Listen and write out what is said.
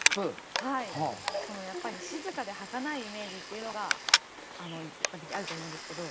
やっぱり静かではかないイメージっていうのが一般的にあると思うんですけど。